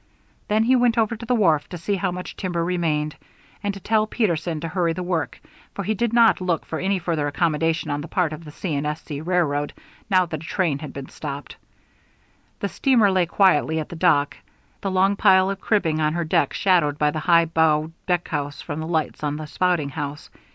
Then he went over to the wharf to see how much timber remained, and to tell Peterson to hurry the work; for he did not look for any further accommodation on the part of the C. & S. C. railroad, now that a train had been stopped. The steamer lay quietly at the dock, the long pile of cribbing on her deck shadowed by the high bow deckhouse from the lights on the spouting house.